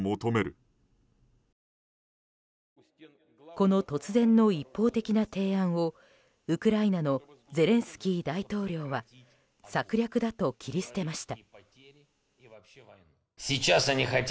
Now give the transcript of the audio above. この突然の一方的な提案をウクライナのゼレンスキー大統領は策略だと切り捨てました。